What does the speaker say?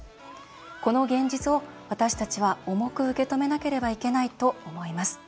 この現実を私たちは重く受け止めなければいけないと思います。